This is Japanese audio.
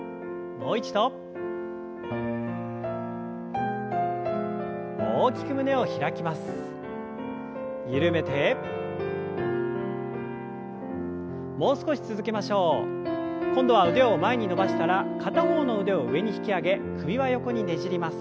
もう少し続けましょう。今度は腕を前に伸ばしたら片方の腕を上に引き上げ首は横にねじります。